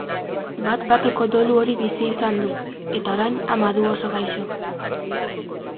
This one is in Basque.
Bat-bateko dolu hori bizi izan du, eta orain ama du oso gaixo.